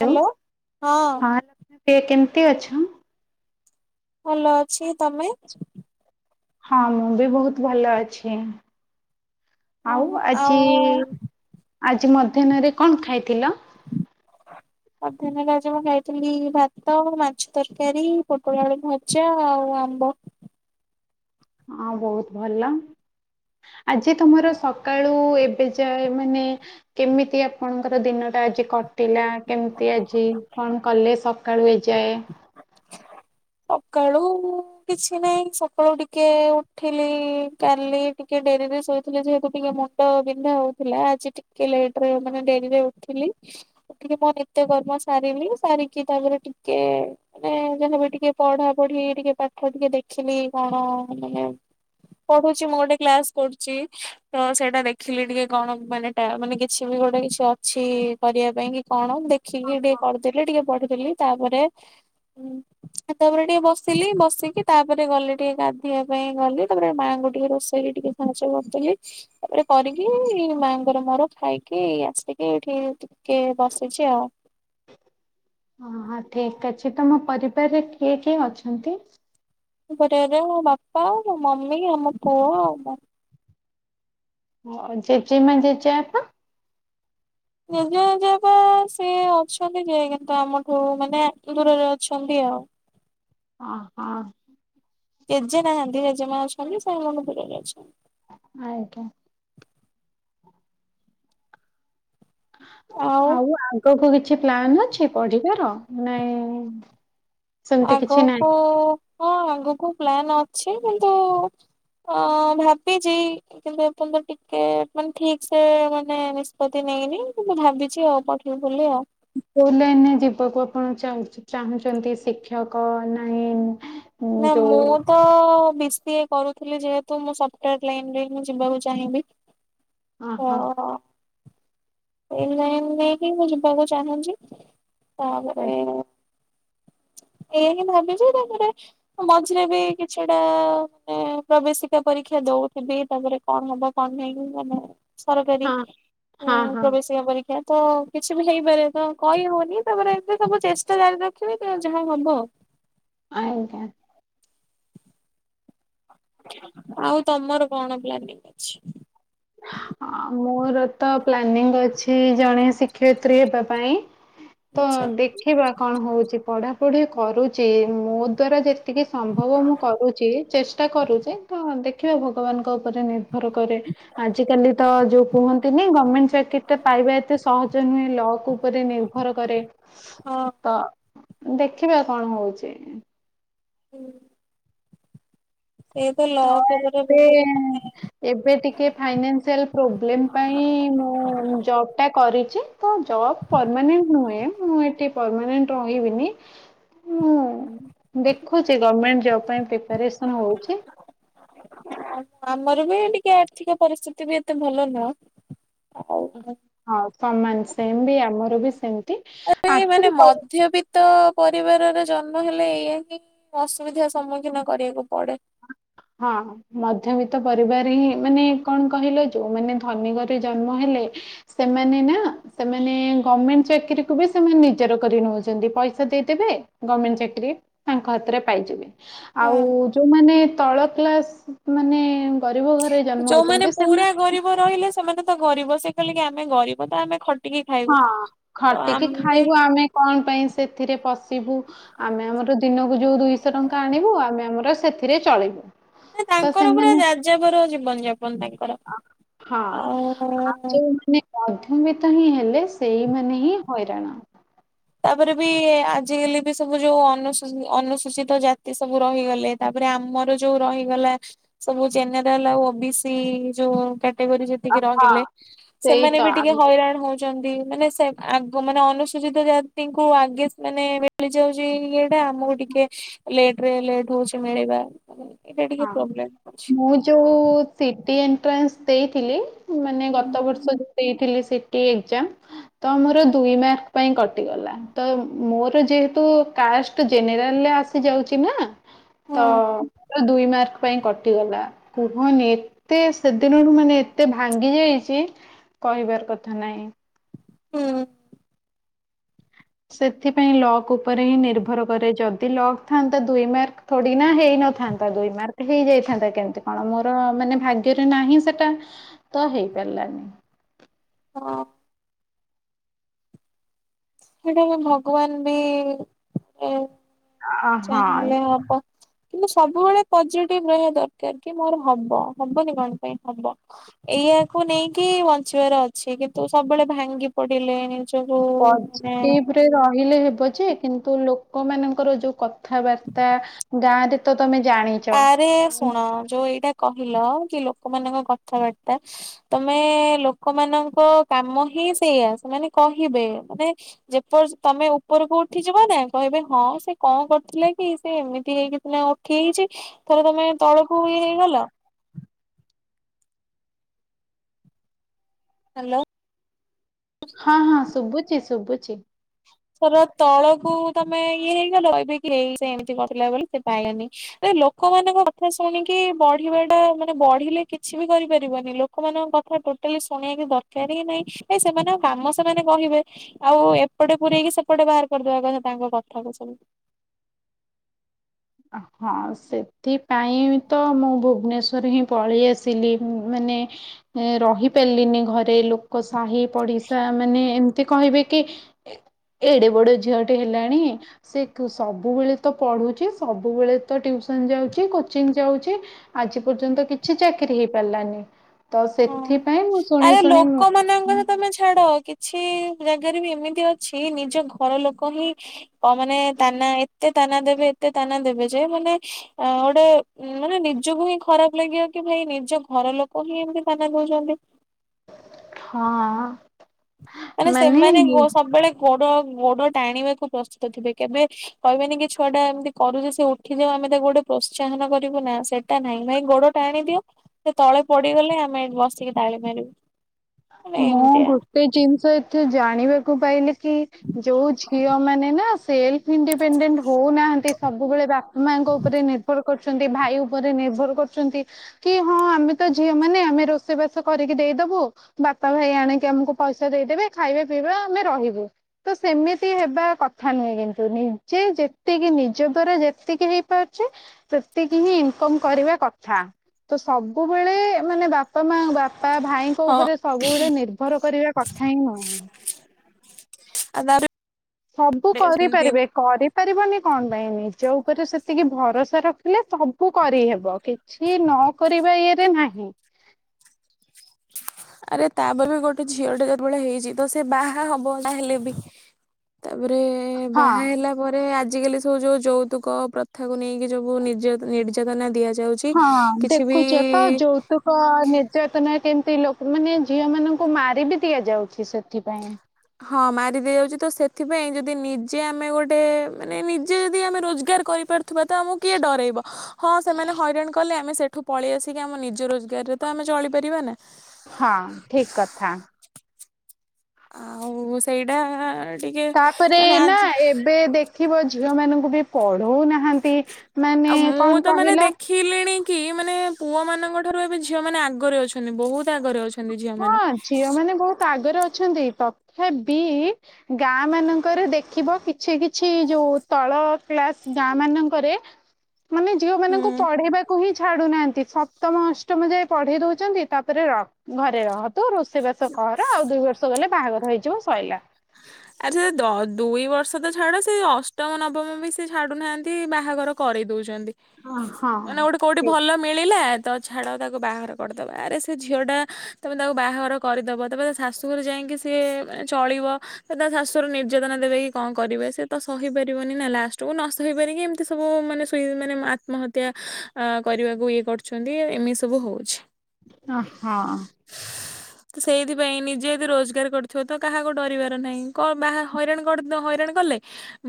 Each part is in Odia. ହ୍ୟାଲୋ ହଁ କେ କେମିତି ଅଛ? ଭଲ ଅଛି, ତୋମେ? ହଁ ମୁଁ ବି ବହୁତ ଭଲ ଅଛି। ଆଉ ଓହୋ ଆଜି, ଆଉ ଆଜି ମଧ୍ୟାହ୍ନରେ କଣ ଖାଇଥିଲ? [inaudible] ମଧ୍ୟାହ୍ନରେ ମୁଁ ଖାଇଥିଲି ଭାତ ମାଛ ତରକାରୀ ପୋଟଳ ଆଳୁ ଭ ଜା ଆଉ ଆମ୍ବ। ହଁ ବହୁତ ଭଲ। ଆଜି ତୋମର ସକାଳୁ ଏବେ ଯାଏ ମାନେ କେମିତି ଆପଣଙ୍କର ଦିନଟା ଆଜି କଟିଲା? କେମିତି ଆଜି କଣ କଲେ? ସ କାଳୁ ଏ ଯାଏ? ସକାଳୁ ମୁଁ କିଛି ନାହିଁ, ସକାଳୁ ଟିକେ ଉଠିଲି, କାଲି ଟିକେ ଡେରିରେ ଶୋଇଥିଲି ଯେହେତୁ ଟିକେ ମୁ ଣ୍ଡ ବିନ୍ଧା ହଉଥିଲା, ଆଜି ଟିକେ ଲେଟ୍ ରେ ମାନେ ଡେରିରେ ଉଠିଲି। ଉଠିକି ମୋ ନିତ୍ୟକର୍ମ ସାରିଲି, ସାରିକି ତାପରେ ଟିକେ ମାନେ ଯାହାବି ଟିକେ ପଢା ପଢି ଟିକେ ପାଠ ଟିକେ ଦେଖିଲି କଣ ମାନେ ପଢୁଛି ମୁଁ ଗୋଟେ କ୍ଲାସ୍ କରୁଚି। ତ ସେଇଟା ଦେଖିଲି ଟିକେ କଣ ମାନେ ଟା- ମାନେ କିଛି ବି ଗୋଟେ କିଛି ଅଛି କରିବା ପାଇଁ କି କଣ ମୁଁ ଦେଖିକି ଟିକେ କରିଦେଲି, ଟିକେ ପଢିଦେଲି, ତାପରେ ଉଁ, ଆଉ ତାପରେ ଟିକେ ବସିଲି, ବସିକି ତାପରେ ଗଲି ଟିକେ ଗାଧେଇବା ପାଇଁ ଗଲି, ତାପରେ ମାଆଙ୍କୁ ଟିକେ ରୋଷେଇ ରେ ଟିକେ ସାହାଯ୍ଯ କରିଥିଲି, ତାପରେ କରିକି ମାଆଙ୍କର ମୋର ଖାଇକି ଏଇ ଆସିକି, ଏଇଠି ଟି କେ ବସିଛି ଆଉ। ଓହୋ, ଠିକ ଅଛି, ତୋମ ପରିବାରରେ କିଏ କିଏ ଅଛନ୍ତି? ଆମ ପରିବାରରେ ମୋ ବାପା, ମୋ ମମି, ଆମ ପୁଅ ଆଉ ମୁଁ। ଓ, ଜେଜେ ମା ଜେଜେ ବାପା? ଜେଜେମା ଜେଜେବାପା ସିଏ ଅଛନ୍ତି ଯେ କିନ୍ତୁ ଆମଠୁ ମାନେ ଦୂରରେ ଅଛନ୍ତି ଆଉ। ଅହ। ଜେଜେ ନାହାନ୍ତି, ଜେଜେମା ଅଛନ୍ତି, ସେ ଆମଠୁ ଦୂରରେ ଅଛନ୍ତି। ଆଜ୍ଞା। ଆଉ ଆଗକୁ କିଛି ପ୍ଲାନ୍ ଅଛି ପଢିବାର, ନାଇଁ ସେମିତି କିଛି ନାହିଁ। ଆଗକୁ ହଁ, ଆଗକୁ ପ୍ଲାନ୍ ଅଛି କିନ୍ତୁ ଅ ଭାବିଛି କିନ୍ତୁ ଏପର୍ଯ୍ୟନ୍ତ ଟିକେ ମାନେ ଠିକ ସେ ମାନେ ନିଷ୍ପତ୍ତି ନେଇନି କିନ୍ତୁ ଭାବିଛି ଆଉ ପ [unintelligible] ବୋଲି ଆଉ। କୋଉ ଲାଇନରେ ଯିବାକୁ ଆପଣ ଚାଉ ଚାହୁଁଛନ୍ତି? ଶିକ୍ଷକ ନାଇ ନା ମୁଁ ତ ବି ସି ଏ କରୁଥିଲି ଯେହେତୁ ମୁଁ ସଫ୍ଟୱାର ଲାଇନରେ ମୁଁ ଯିବାକୁ ଚାହିଁବି। ଓ ହଁ। ଏ ଲାଇନ ରେ ହିଁ ମୁଁ ଯିବାକୁ ଚାହୁଁଛି। ହଁ ତାପରେ ଏଇଆ ହିଁ ଭାବିଛି ତାପରେ ମଝିରେ ବି କିଛିଟା ମାନେ ପ୍ରବେଶିକା ପରୀକ୍ଷା ଦଉଥିଲି ତାପରେ କଣ ହବ କଣ ନାହିଁ ତାପରେ ସରକାରୀ ହଁ ହଁ ଉଁ ହଁ ପ୍ରବେଶିକା ପରୀକ୍ଷା। ତ କିଛି ବି ହେଇପାରେ ତ କହି ହଉନି ତାପରେ ଏବେ ସବୁ ଚେଷ୍ଟା ଜାରି ରଖିବି ଯାହା ହବ। ଆଜ୍ଞା। ଆଉ ତମର କଣ ପ୍ଲାନିଙ୍ଗ୍ ଅଛି? [inaudible] ଆ ମୋର ତ ପ୍ଲାନିଙ୍ଗ୍ ଅଛି ଜଣେ ଶିକ୍ଷୟତ୍ରୀ ହେବା ପାଇଁ। ତ ଆଚ୍ଛା ଦେଖ ଖିବା କଣ ହଉଛି ପଢାପଢି କରୁଛି ମୋ ଦ୍ଵାରା ଯେତିକି ସମ୍ଭବ ମୁଁ କରୁଛି ଚେ ଚେଷ୍ଟା କରୁଛି ତ ଦେଖିବା ଭଗବାନଙ୍କ ଉପରେ ନିର୍ଭର କରେ। ଆଜିକାଲି ତ ଯୋଉ କୁହନ୍ତିନି ଗମେଣ୍ଟ ଚାକିରିଟା ପାଇବା ଏତେ ସହଜ ନୁହେଁ ଲକ ଉପ୍ ଉପରେ ନିର୍ଭର କରେ ହଁ ତ ଦେଖିବା କଣ ହଉଛି। ହୁଁ। ଏଇ ତ ଲକ୍ ଉପରେ [unintelligible] ଏବେ ଟିକେ ଫାଇନାନ୍ସିଆଲ୍ ପ୍ରୋବ୍ଲେମ୍ ପାଇଁ ମୁଁ ଜବ୍ ଟା କରିଛି। ତ ଜବ ପରମାନେଣ୍ଟ ନୁହେଁ ମୁଁ ଏଠି ପରମାନେଣ୍ଟ ରହିବିନି। ହୁଁ ଦେଖୁଛି ଗମେଣ୍ଟ ଜବ ପାଇଁ ପ୍ରିପାରେସନ୍ ହଉଛି। ଆମର ବି ଟିକେ ଆର୍ଥିକ ପରିସ୍ଥିତି ବି ଏତେ ଭଲ ନୁହଁ। ଆଉ ହଁ ସମାନ ସେମ ବି ଆମର ବି ସେମ। ଏହି ମାନେ ମଧ୍ୟବିିତ ତ ପରିବାରରେ ଜନ୍ମ ହେଲେ ଏଇଆ ହି ଅସୁବିଧା ସମ୍ମୁଖୀନ କରିବାକୁ ପଡେ। ହଁ। ମଧ୍ୟବିତ୍ତ ପରିବାର ହିଁ ମାନେ କଣ କହିଲ ଯୋଉ ମାନେ ଧନୀ ଘରେ ଜନ୍ମ ହେଲେ ସେମାନେ ନା ସେମାନେ ଗଭମେଣ୍ଟ ଚାକିରୀକୁୁ ବି ସେମାନେ ନିଜର କରି ନଉଛନ୍ତି। ପଇସା ଦେଇଦେବେ ଗଭମେଣ୍ଟ ଚାକିରି ତାଙ୍କ ହାତରେ ପାଇଯିବେ ଆଉ ଯୋଉମାନେ ତଳ କ୍ଲାସ ମାନେ ଗରିବ ଘରେ ଜନ୍ମ ଯୋଉମାନେ ହଉଛନ୍ତି ପୁରା ସେମାନେ ଗରିବ ରହିଲେ ସେମାନେ ତ ଗରିବ ସେ କହିଲେ କି ଆମେ ଗରିବ ତ ଆମେ ଖ ହଁ ଖଟିକି ଖାଇବୁ ଆମେ କଣ ପାଇଁ ସେଥିରେ ପଶିବୁ। ଆମେ ଆମର ଦିନକୁ ଯୋଉ ଦୁଇଶହ ଟଙ୍କା ଆଣିବୁ ଆମେ ଆମର ସେଥିରେ ଚଳିବୁ। ନା ତ ତାଙ୍କର ପୁରା ସେମାନେ ଯାଯାବର ଜୀବନଯାପନ ତାଙ୍କର। ହଁ। ଆଉ ଯୋଉ ମାନେ ମଧ୍ୟମିତ ହିଁ ହେଲେ ସେଇମାନେ ହିଁ ହଇରାଣ। ତାପରେ ବି ଆଜିକାଲି ବି ସବୁ ଯୋଉ ଅନୁସୁ ଅନୁସୂଚିତ ଜାତି ସବୁ ରହିଗଲେ। ତାପରେ ଆମର ଯୋଉ ରହିଗଲା ସବୁ ଜେନେରାଲ ଆଉ ଓ ବି ସି ଯୋଉ କ୍ୟାଟାଗୋରୀ ଯେ ତିକି ହଁ ରହିଲେ ସେଇ ସେମାନେ ତ ବି ଟିକେ ଆମେ ହଇରାଣ ହଉ ଚନ୍ତି। ମାନେ ସେ ଆଗ ମାନେ ଅନୁସୂଚିତ ଜା ତିଙ୍କୁ ଆଗେ ମାନେ ମିଳିଯାଉଚି ଇଏଟା। ଆମକୁ ଟିକେ ଲେଟ୍ ରେ ଲେଟ୍ ହଉଚି ମିଳିବା। ଏଇଟା ଟିକେ ହଁ ପ୍ରୋବ୍ଲେମ୍ ହଉଚି। ମୁଁ ଯୋଉ ସିଟି ଏଣ୍ଟ୍ରାନ୍ସ ଦେଇଥିଲି, ମାନେ ଗତ ବର୍ଷ ଦେଇଥିଲି ସିଟି ଏକ୍ଜାମ୍ ତ ମୋର ଦୁଇ ମାର୍କ ପାଇଁ କଟିଗଲା। ତ ମୋର ଯେହେତୁ କାଷ୍ଟ୍ ତ ଜେନେରାଲ ଆସି ଯାଉଚି ନା, ତ ହଁ ମୋର ଦୁଇ ମାର୍କ ପାଇଁ କଟିଗଲା। କୁହନି ଏତେ ସେଦିନଠୁ ମାନେ ଏତେ ଭାଙ୍ଗି ଯାଇଚି କହିବାର କଥା ନାହିଁ। ହୁଁ। ସେଥିପାଇଁ ଲକ୍ ଉପରେ ହିଁ ନିର୍ଭର କରେ। ଯଦି ଲକ୍ ଥାଆନ୍ତା ଦୁଇ ମାର୍କ ଥୋଡି ନା ହେଇନଥାନ୍ତା, ଦୁଇ ମାର୍କ ହେଇଯାଇଥାନ୍ତା କେମିତି କଣ। ମୋର ମାନେ ଭାଗ୍ୟରେ ନାହିଁ ସେଟା। ତ ହେଇପାରିଲାନି। [unintelligible] ହେଇଟା ପା ଭଗବାନ ବି ଆ ହଁ ଚାହିଁଲେ ହବ। କିନ୍ତୁ ସବୁବେଳେ ପଜିଟିଭ ରହିବା ଦରକାର। କି ମୋର ହବ ହବନି କଣ ପାଇଁ ହବ। ଏଇଆକୁ ନେଇକି ବଞ୍ଚିବାର ଅଛି। କିନ୍ତୁ ସବୁବେଳେ ଭାଙ୍ଗି ପଡିଲେ ନିଜକୁ ମାନେ ପଜେଟିଭ୍ ରେ ରହିଲେ ହେବ ଯେ କିନ୍ତୁ ଲୋକ ମାନଙ୍କର ଯୋଉ କ କଥାବାର୍ତ୍ତା ଗାଁ ରେ ତ ତମେ ଜାଣି ଆରେ ଶୁଣ ଯୋଉ ଏଇଟା କହିଲ କି ଲୋକମାନଙ୍କ କଥାବାର୍ତ୍ତା ତମେ ଲୋକମାନଙ୍କ କାମ ହିଁ ସେଇଆ, ସେମାନେ କହିବେ। ମାନେ ଯେପର୍ ତମେ ଉପରକୁ ଉଠି ଯିବ ନା କହିବେ ହଁ ସେ କଣ କରୁଥିଲେ କି ସେ ଏମିତି ହେଇକି ମାନେ ଉଠି ଯାଇଚି, ଥରେ ତମେ ତଳକୁ ଇଏ ହେଇଗଲ ହାଲୋ। ହଁ ହଁ ଶୁବୁଚି ଶୁବୁଚି। ଧର ତଳକୁ ତମେ ଇଏ ହେଇଗଲ, କହିବେ କି ଏଇ ସେ ଏମିତି କରିଥିଲା ବୋଲି ସେ ପାଇଲାନି। ଆରେ ଲୋକମାନଙ୍କ କଥା ଶୁଣିକି ବଢିବା ଟା ମାନେ ବଢିଲେ କିଛି ବି କରିପାରିବନି। ଲୋ ଲୋକମାନଙ୍କ କଥା ଟୋଟାଲି ଶୁଣିବା କିଛି ଦରକାର ହିଁ ନାଇଁ। ଏ ସେମାନଙ୍କ କାମ ସେମାନେ କହିବେ। ଆଉ ଏପଟେ ପୁରେଇକି ସେପଟେ ବାହାର କରିଦବା କଥା ତାଙ୍କ କଥା କୁ ସବୁ। [unintelligible] ହଁ ସେଥିପାଇଁ ତ ମୁଁ ଭୁବନେଶ୍ଵର ହିଁ ପଳେଇ ଆସିଲି। ମାନେ ଏ ରହି ପାରିଲିନି ଘରେ ଲୋକ ସାହି ପଡିଶା ମାନେ ଏମ୍ ଏତେ କହିବେ କି ଏଡେ ବଡ ଝିଅଟେ ହେଲାଣି ସେ ସବୁବେଳେ ତ ପଢୁଚି ସବୁବେଳେ ତ ଟ୍ୟୁସନ୍ ଯାଉଚି କୋଚିଂ ଯାଉଚି ଆଜି ପର୍ଯ୍ୟନ୍ତ କିଛି ଚାକିରୀ ହେଇ ପାରିଲାନି। ହଁ। ଆରେ ମୁଁ ଲୋକ ମାନଙ୍କ କଥା ତମେ ଛାଡ। କି ଛି ଜାଗାରେ ବି ଏମିତି ଅଛି ନିଜ ଘର ଲୋକ ହିଁ ତା ମାନେ ତାନା, ଏତେ ତାନା ଦେବେ, ଏତେ ତାନା ଦେବେ ଯେ, ମାନେ ଗୋଟେ, ମାନେ ନିଜକୁ ହିଁ ଖରାପ ଲାଗିବ କି ଭାଇ, ନିଜ ଘର ଲୋକ ହିଁ ଏମିତି ତାନା ଦଉଚନ୍ତି। ହଁ ଅଁ ଅ। ମାନେ ସେମାନେ ସବୁବେଳେ ଗୋଡ, ଗୋଡ ଟାଣିବାକୁ ପ୍ରସ୍ତୁତ ଥିବେ, କେବେ କହିବେନି କି ଛୁଆଟା ଏମିତି କରୁଚି, ସେ ଉଠିଯାଉ, ଆମେ ତାକୁ ଗୋଟେ ପ୍ରୋତ୍ସାହନ କରିବୁ ନା, ସେ ସେଟା ନାଇ, ଗୋଡ ଟାଣି ଦିଅ, ସେ ତଳେ ପଡିଗଲେ, ଆମେ ବସିକି ତାଳି ମାରିବୁ। ମାନେ ମୁଁ ଏମିତିଆ। ଗୁ ସେ ଜିନିଷ ଏଠେ ଜାଣିବାକୁ ପାଇଲେ କି, ଯୋଉ ଝିଅ ମାନେ ନା ସେଲ ଇଣ୍ଡିପେଣ୍ଡେଣ୍ଟ ହଉନାହାନ୍ତି, ସବୁବେଳେ ବାପା ମାଆଙ୍କ ଉପରେ ନିର୍ଭର କରୁଚନ୍ତି, ଭାଇ ଉପରେ ନିର୍ଭର କରୁଚନ୍ତି, କି ହଁ, ଆମେ ତ ଝିଅ ମାନେ, ଆମେ ରୋ ରୋଷେଇ ବାସ କରିକି ଦେଇଦବୁ ବାପା ଭାଇ ଆଣିକି ଆମକୁ ପଇସା ଦେଇଦେବେ, ଖାଇବା, ପିଇବା, ଆମେ ରହିବୁ। ତ, ସେମିତି ହେବା କଥା ନୁହେଁ କିନ୍ତୁ, ନିଜେ ଯେତିକି ନିଜ ଦ୍ଵାରା ଯେତିକି ହେଇପାରୁଚି ସେତିକି ହିଁ, ଇନକମ୍ କରିବା କଥା। ତ, ସବୁବେଳେ, ମାନେ ବାପା ମା, ବାପା, ଭାଇ ହଁ ଉପରେ, ସବୁବେଳେ ନିର୍ଭର କରିବା କଥା ହିଁ ନୁହେଁ। ଆ ଦାରୁ ସବୁ କରିପାରିବେ। କରିପାରିବନି କଣ ପାଇଁ? ନିଜ ଉପରେ ସେତିକି ଭରସା ରଖିଲେ ସବୁ କରିହେବ, କି କିଛି ନ କରିବା ଇଏରେ ନାହିଁ। ଆରେ ତାପରେ ବି ଗୋଟେ ଝିଅ ଟେ ଯେତେବେଳେ ହେଇଛି, ତ ସେ ବାହା ହବ ନା ହେଲେ ବି ତାପରେ ହଁ ବାହା ହେଲା ପରେ ଆଜିକାଲି ସବୁ ଯୋଉ ଯୌତୁକ ପ୍ରଥାକୁ ନେଇକି, ଯବୁ ନିର୍ଯ ନିର୍ଯାତନା ଦିଆଯ ଯାଉଚି, ହଁ କିଛି ବି ଦେଖୁଛ ତ ଯୌତୁକ ନିର୍ଯାତନା କେମତି ଲୋକ, ମାନେ ଝିଅ ମାନଙ୍କୁ ମାର ବିି ଦିଆଯାଉଛି ସେଥିପାଇଁ। ହଁ, ମାରି ଦିଆଯାଉଛି ତ, ସେଥିପାଇଁ ଯଦି ନିଜେ ଆମେ ଗୋଟେ, ମାନେ ନିଜେ ଯଦି ଆମେ ରୋଜଗାର କରିପାରୁ ଥିବା ତ, ଆମକୁ କିଏ ଡରାଇବ? ହଁ ସେମାନେ ହଇରାଣ କଲେ, ଆମେ ସେ ଠୁ ପଳେଇ ଆସିକି, ଆମ ନିଜ ରୋଜଗାରରେ ତ ଆମେ ଚଳିପାରିବା ନା। ହଁ, ଠିକ କଥା। ଆଉ, ସେଇଟା ଟିକେ ତାପରେ ମାନେ ନା, ଆଜି ଏବେ ଦେଖିବ ଝିଅ ମାନଙ୍କୁ ବି ପଢଉନାହାନ୍ତି। ଆଉ ମାନେ, ମୁଁ କଣ ତ ମାନେ କହିଲ? ଦେଖିଲିଣି କି, ମାନେ ପୁଅ ମାନଙ୍କ ଠାରୁ ଏବେ ଝିଅ ମାନେ ଆଗରେ ଅଛନ୍ତି, ବହୁତ ଆଗରେ ଅଛନ୍ତି। ଝିଅ ହଁ, ମାନେ ଝିଅ ମାନେ ବହୁତ ଆଗରେ ଅଛନ୍ତି, ତଥାବି ଗାଁ ମାନଙ୍କରେ ଦେଖିବ, କିଛି କିଛି ଯୋଉ ତଳ କ୍ଳାସ ଗାଁ ମାନଙ୍କରେ ମାନେ ଝିଅ ହୁଁ ମାନଙ୍କୁ ପଢେଇବାକୁ ହିଁ ଛାଡୁନାହାନ୍ତି, ସପ୍ ସପ୍ତମ, ଅଷ୍ଟମ ଯାଏ ପଢେଇ ଦଉଚନ୍ତି, ତାପରେ ରହ, ଘରେ ରହ। ତୁ ରୋଷେଇବାସ କର, ଆଉ ଦୁଇ ବର୍ଷ ଗଲେ ବାହାଘର ହେଇଯିବ ସଇଲା। ଆରେ ସେ ଦୁଇ ବର୍ଷ ତ ଛାଡ, ସେ ଅଷ୍ଟମ ନବମ ବି ସେ ଛାଡୁନାହାନ୍ତି, ବାହାଘର କରେଇ ଦଉଚନ୍ତି। ଅ ହଁ। ମାନେ ଗୋଟେ କୋଉଠି ଠିକ୍। ଭଲ ମି ମିଳିଲା, ତ ଛାଡ ତାକୁ ବାହାଘର କରିଦବା, ଆରେ ସେ ଝିଅ ଟା, ତମେ ତାକୁ ବାହାଘର କରିଦବ, ତାପରେ ଶାଶୁଘରେ ଯାଇକି ସିଏ ମାନେ ଚଳିବ ସେ ତା ଶାଶୁରର ନିର୍ଯାତନା ଦେବେ କି, କଣ କରିବେ, ସେ ତ ସହିପାରିବନି ନା, ଲାଷ୍ଟକୁ ନ ସହିପାରି ଏମତି ସବୁ ମାନେ ଇ ମାନେ ଆତ୍ମହତ୍ୟା ଅ କରିବାକୁ ଇଏ କରୁଚନ୍ତି, ଏମିତି ସବୁ ହଉଚି। ଅଁହଁ। ତ ସେଇଥିପାଇଁ ନିଜେ ଯଦି ରୋଜଗାର କରିଥିବତ କାହାକୁ ଡରିବା ନାଇଁ କଣ ବାହା ହଇରାଣ ହଇରାଣ କଲେ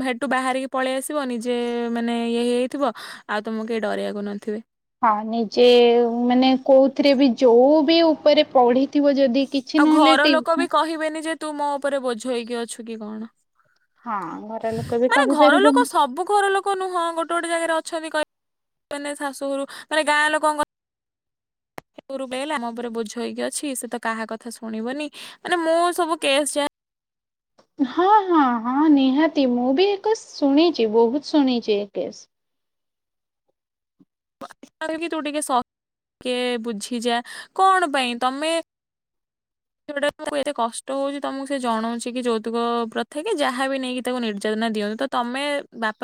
ସେଠୁ ବାହାରିକି ପଳେଇ ଆସିବ ନିଜେ ମାନେ ଇଏ ହେଇଯାଇଥିବ ଆଉ ତମକୁ କେହି ଡରିବାକୁ ନଥିବେ। ହଁ ନିଜେ ମାନେ କୋଉଥିରେ ଳବି ଯୋଉବି ଉପରେ ପଢିଥିବ ଯଦି କିଛି ଆଉ ନହେଲେ ଘର ଲୋକବି ଟିଉସନ କହିବେନିଯେ ତୁମୋ ଉପରେ ବୋଝ ହେଇକି ଅଛୁ କିକଣ। ହଁ ଘର ଲୋକ ବି ମାନେ ଘର କହିପାରିବେନି। ଲୋକ ସବୁ ଘର ଲୋକ ନୁହଁ ଗୋ ୋଟେ ଗୋଟେ ଜାଗାରେ ଅଛନ୍ତି କଇ ଶାଶୁଘରୁ ମାନେ ଗାଁ ଲୋକଙ୍କ ରୁ ହେଲା ମୋଉପରେ ବୋ ମାନେ ମୁଁ ସବୁ କେସ୍ ହଁ ହଁ ହଁ ନିହାତି ମୁଁ ବି ଏକ ଶୁଣିଛି ବହୁତ ଶୁଣିଛି ଏ କେସ୍। ଯାହା କି ତୁ ଟିକେ ସହିକି ବୁଝିଯା କଣ ପାଇଁ ତମେ ଯୋଉଟା ତମକୁ ଏତେ କଷ୍ଟ ହଉଛି ତମକୁ ସେ ଜଣଉଛି କି ଯୌତୁକ ପ୍ରଥା କି ଯାହାବି ନେଇକି ତାକୁ ନିର୍ଯାତନା ଦିଅନ୍ତୁ ତ ତମେ ବାପା ମା